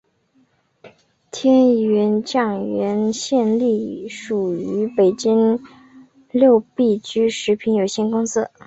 天源酱园现隶属于北京六必居食品有限公司。